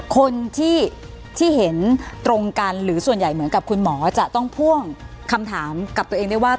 คนที่เห็นตรงกันหรือส่วนใหญ่เหมือนกับคุณหมอจะต้องพ่วงคำถามกับตัวเองได้ว่า